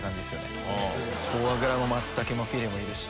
フォアグラもマツタケもフィレもいるし。